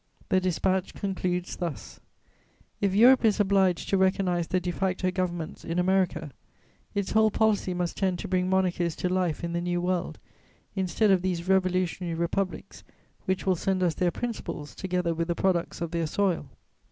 The dispatch concludes thus: "If Europe is obliged to recognise the de facto governments in America, its whole policy must tend to bring monarchies to life in the New World, instead of these revolutionary republics which will send us their principles together with the products of their soil.